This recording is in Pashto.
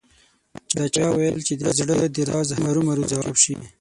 دا چا ویل چې د زړه د راز هرو مرو ځواب شي